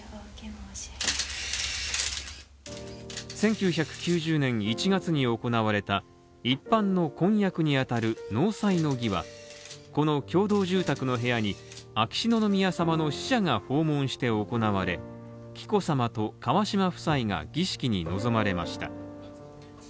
１９９０年１月に行われた一般の婚約にあたる納采の儀はこの共同住宅の部屋に秋篠宮さまの使者が訪問して行われ、紀子さまと川嶋夫妻が儀式に臨まれました。